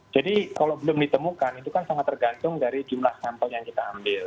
jadi kalau belum ditemukan itu kan sangat tergantung dari jumlah sampel yang kita ambil